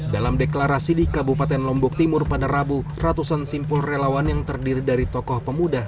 dalam deklarasi di kabupaten lombok timur pada rabu ratusan simpul relawan yang terdiri dari tokoh pemuda